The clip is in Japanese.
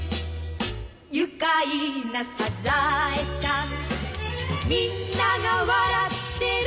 「愉快なサザエさん」「みんなが笑ってる」